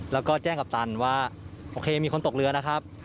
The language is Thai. แล้วก็แจ้งกัปตันว่าโอเคมีคนตกเรือนะครับ